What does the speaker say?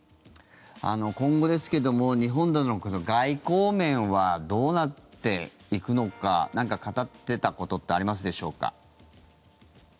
今後ですけども日本だとかの外交面はどうなっていくのか何か語っていたことってありますでしょうか？